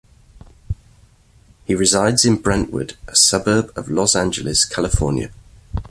He resides in Brentwood a suburb of Los Angeles, California.